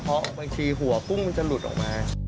เพราะบางทีหัวกุ้งมันจะหลุดออกมา